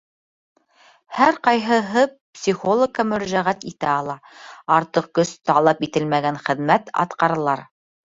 Һәр ҡайһыһы психологка мөрәжәғәт итә ала, артыҡ көс талап ителмәгән хеҙмәт атҡаралар.